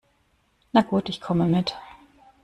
Na gut, ich komme mit.